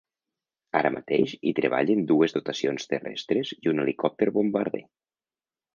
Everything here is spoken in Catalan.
Ara mateix hi treballen dues dotacions terrestres i un helicòpter bombarder.